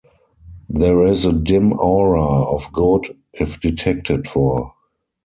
There is a dim aura of good if detected for.